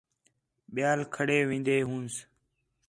ٻِیال گھر ݙے وین٘دے ہونس